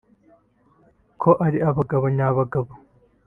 ko ari abagabo nya bagabo